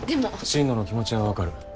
心野の気持ちはわかる。